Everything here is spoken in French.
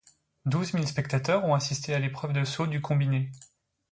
Douze mille spectateurs ont assisté à l'épreuve de saut du combiné.